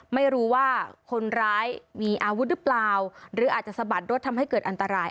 ไม่รู้ว่าคนร้ายมีอาวุธหรือเปล่าหรืออาจจะสะบัดรถทำให้เกิดอันตราย